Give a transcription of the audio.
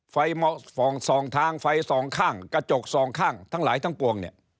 สองทางไฟสองข้างกระจกสองข้างทั้งหลายทั้งปวงเนี่ย